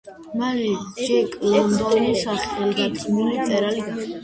მალე ჯეკ ლონდონი სახელგანთქმული მწერალი გახდა.